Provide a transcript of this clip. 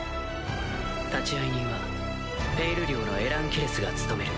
立会人はペイル寮のエラン・ケレスが務める。